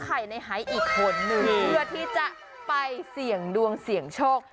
ไข่ในหายอีกคนนึงเพื่อที่จะไปเสี่ยงดวงเสี่ยงโชค